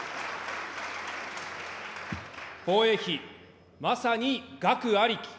防衛費、まさに額ありき。